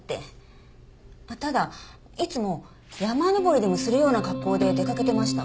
ただいつも山登りでもするような格好で出かけてました。